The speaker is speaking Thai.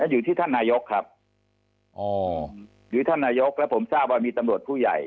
อยู่ที่ท่านนายกครับอ๋อหรือท่านนายกแล้วผมทราบว่ามีตำรวจผู้ใหญ่